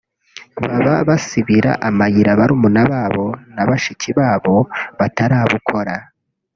baba basibira amayira barumuna babo na bashiki babo batarabukora